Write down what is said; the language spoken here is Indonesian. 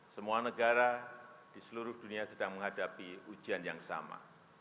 semua negara di seluruh dunia sedang menghadapi ujian yang sama